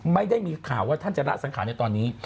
ไม่ได้มีข่าวว่าท่านจะละสังขารในตอนนี้